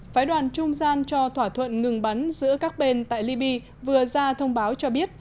phái đoàn trung gian cho thỏa thuận ngừng bắn giữa các bên tại libya vừa ra thông báo cho biết